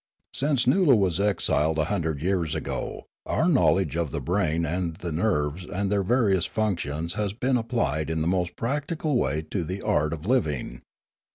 Since Noola was exiled a hundred years ago, our knowledge of the brain and the nerves and their various functions has been applied in the most practical way to the art of living.